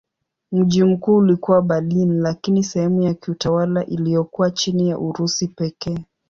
Mji mkuu ulikuwa Berlin lakini sehemu ya kiutawala iliyokuwa chini ya Urusi pekee.